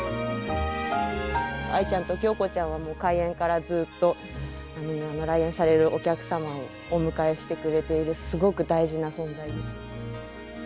アイちゃんとキョウコちゃんはもう開園からずっと来園されるお客様をお迎えしてくれているすごく大事な存在です。